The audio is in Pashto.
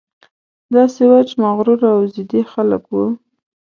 داسې وچ مغروره او ضدي خلک وو.